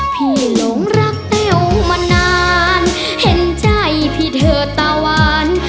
หลงรักแต้วมานานเห็นใจพี่เธอตะวัน